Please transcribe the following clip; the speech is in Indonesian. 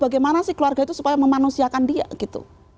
bagaimana sih keluarga itu supaya memanusiakan dia gitu